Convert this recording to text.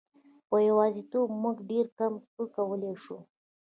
په یوازیتوب موږ ډېر کم څه کولای شو.